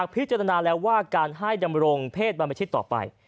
พิจารณาแล้วว่าการให้ดำรงเพศบรรพชิตต่อไป